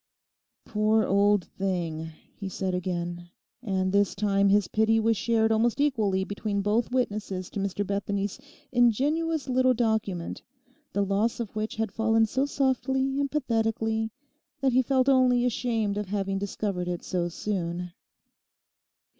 'Poor old thing!' he said again; and this time his pity was shared almost equally between both witnesses to Mr Bethany's ingenuous little document, the loss of which had fallen so softly and pathetically that he felt only ashamed of having discovered it so soon.